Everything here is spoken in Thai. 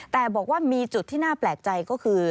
แต่บอกว่ามีจุดที่น่าแปลกใจก็คือ